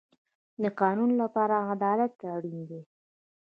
د قانون لپاره عدالت اړین دی